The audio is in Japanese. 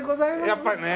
やっぱりね。